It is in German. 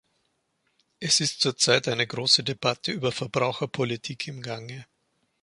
Es ist zurzeit eine große Debatte über Verbraucherpolitik im Gange.